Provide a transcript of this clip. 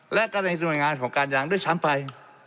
และการลงงานของการยางด้วยช้ำไป